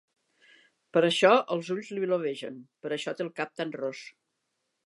Per això els ulls li blavegen, per això té el cap tan ros.